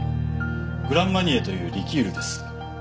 グランマニエというリキュールです。